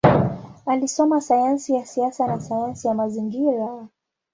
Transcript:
Alisoma sayansi ya siasa na sayansi ya mazingira.